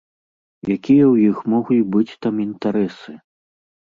Якія ў іх могуць быць там інтарэсы?